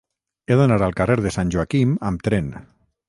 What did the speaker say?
He d'anar al carrer de Sant Joaquim amb tren.